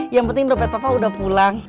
yang penting dopet papa udah pulang